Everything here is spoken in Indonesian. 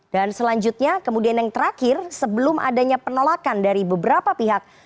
dan selanjutnya kemudian yang terakhir sebelum adanya penolakan dari beberapa pihak